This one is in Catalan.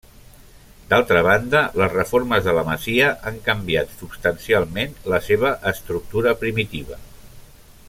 D'altra banda, les reformes de la masia han canviat substancialment la seva estructura primitiva.